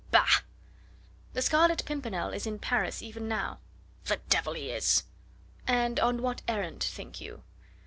"Bah!" "The Scarlet Pimpernel is in Paris even now." "The devil he is!" "And on what errand, think you?"